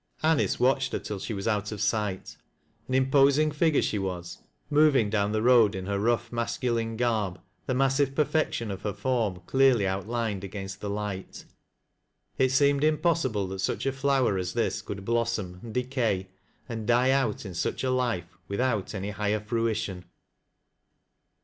Anice watched her till she was out of siglit. An imposing figure she was — moving down the road in her rough masculine garb — th( massive perfection of her form clearly outlined against the light. It seemed impossible that such a flower as this could blossom, and decay, and die out in such a life, with out any higher fruition.